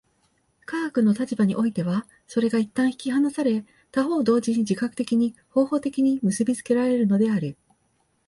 科学の立場においてはそれが一旦引き離され、他方同時に自覚的に、方法的に結び付けられるのである。